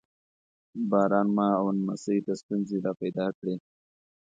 باران ما او نمسۍ ته ستونزې را پیدا کړې.